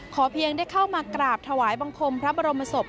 เพียงได้เข้ามากราบถวายบังคมพระบรมศพ